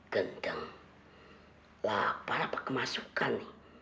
gendeng lak para pake masukkan